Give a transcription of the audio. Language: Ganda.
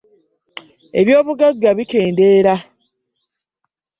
Obyobugagga bikendeera.